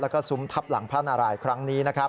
และซุมทัพหลังพระนาลายครั้งนี้